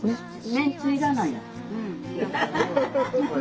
めんつゆいらないやん。